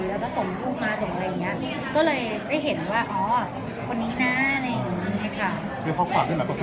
แล้วก็ส่งปุ้งมาส่งอะไรอย่างเงี้ย